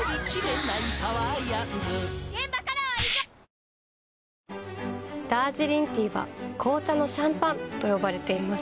ＷＩＬＫＩＮＳＯＮダージリンティーは紅茶のシャンパンと呼ばれています。